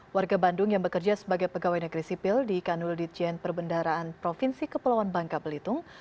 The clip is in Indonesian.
warga bandung yang bekerja sebagai pegawai negeri sipil di kanul ditjen perbendaraan provinsi kepulauan bangka belitung